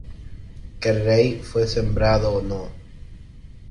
Querrey fue sembrado no.